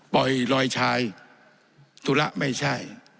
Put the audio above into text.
ปล่อยรอยชายธุระไม่ใช่